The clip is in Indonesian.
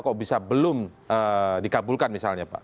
kok bisa belum dikabulkan misalnya pak